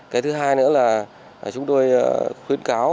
cái thứ hai nữa là chúng tôi khuyến cáo